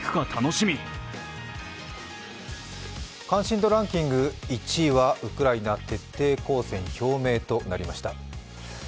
関心度ランキング、１位はウクライナ徹底抗戦表明となりました。